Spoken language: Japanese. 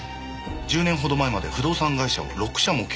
１０年ほど前まで不動産会社を６社も経営。